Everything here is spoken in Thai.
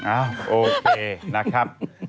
อ้าวโอเคนะครับ